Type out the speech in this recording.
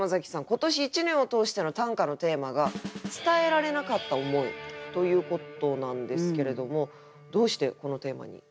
今年一年を通しての短歌のテーマが「伝えられなかった思い」ということなんですけれどもどうしてこのテーマに？